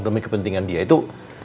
demi kepentingan dia itu